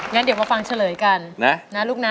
งั้นเดี๋ยวมาฟังเฉลยกันนะลูกนะ